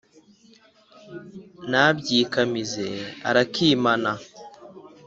nta byikamize urakimana